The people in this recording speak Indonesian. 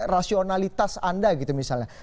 rasionalitas anda gitu misalnya